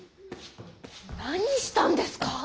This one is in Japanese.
何したんですか？